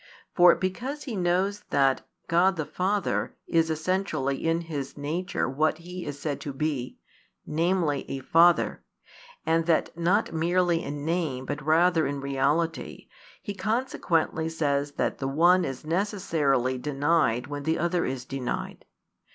For because he knows that [God the Father] is essentially in His nature what He is said to be, namely a Father, and that not merely in name but rather in reality, he consequently says that the One is necessarily denied when the Other is denied.